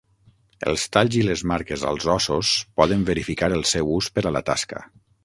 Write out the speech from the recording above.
Els talls i les marques als ossos poden verificar el seu ús per a la tasca.